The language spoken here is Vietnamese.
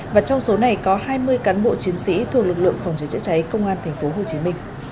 và trong số này có hai mươi cán bộ chiến sĩ thuộc lực lượng phòng cháy chữa cháy công an tp hcm